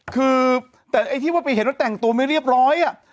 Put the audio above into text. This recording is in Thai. คือแต่ไอ้ที่ว่าไปเห็นว่าแต่งตัวไม่เรียบร้อย